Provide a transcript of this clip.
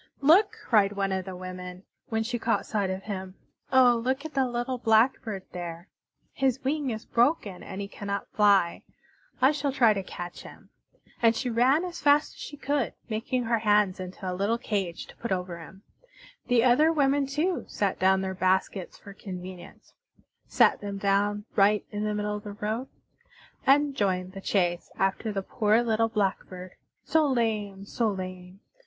"Look!" cried one of the women, when she caught sight of him. "Oh, look at the little Blackbird there! His wing is broken and he cannot fly. I shall try to catch him." And she ran as fast as she could, making her hands into a little cage to put over him. The other women, too, set down their baskets, for convenience set them down right in the middle of the road and joined the chase after the poor little Blackbird, so lame, so lame!